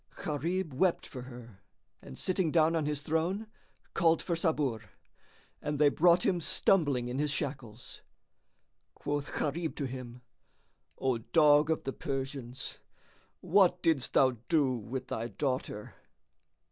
Gharib wept for her and sitting down on his throne, called for Sabur, and they brought him stumbling in his shackles. Quoth Gharib to him, "O dog of the Persians, what didst thou do with thy daughter?"